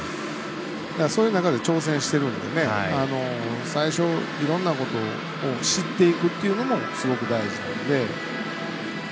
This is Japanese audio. そういう中で挑戦してるんで最初、いろんなことを知っていくっていうこともすごく大事なんで。